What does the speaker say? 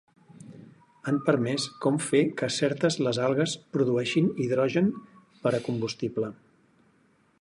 Han permès com fer que certes les algues produeixin hidrogen per a combustible.